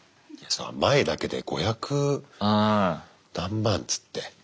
前だけで５００何万っつって。ね。